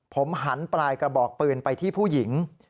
ผมหันปลายกระบอกปืนไปที่ผู้หญิง